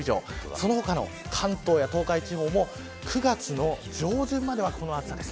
その他の関東、東海地方も９月の上旬まではこの暑さです。